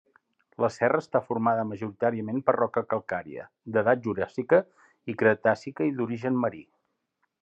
La serra està formada majoritàriament per roca calcària, d'edat juràssica i cretàcica i d'origen marí.